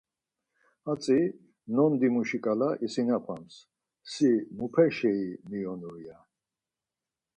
Hatzi nondimuşi ǩala isinapams; si muper şeyi miyonur ya.